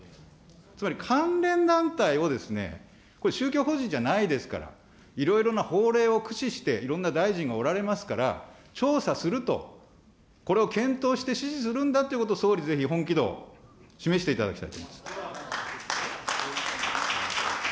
つまり関連団体を、これ、宗教法人じゃないですから、いろいろな法令を駆使して、いろんな大臣がおられますから、調査すると、これを検討して指示するんだということを総理、ぜひ本気度、示していただきたいです。